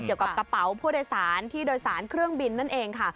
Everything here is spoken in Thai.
เกี่ยวกับกระเป๋าผู้โดยสารที่โดยสารเครื่องบินนั่นเองค่ะ